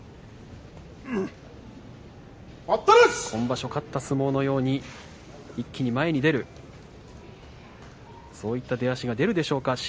今場所勝った相撲のように一気に前に出るそういった出足が出るでしょうか